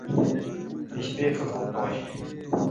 د شپې ښه خوب کوئ.